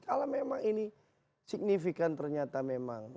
kalau memang ini signifikan ternyata memang